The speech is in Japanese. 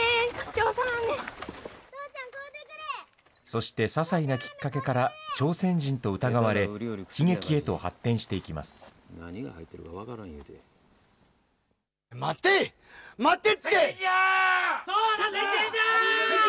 そして、ささいなきっかけから、朝鮮人と疑われ、悲劇へと発展し待て、待てって。